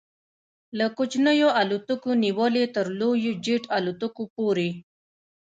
له کوچنیو الوتکو نیولې تر لویو جيټ الوتکو پورې